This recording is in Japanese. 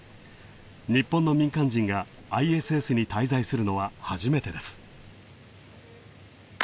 日本の民間人がＩＳＳに滞在するのは初めてです。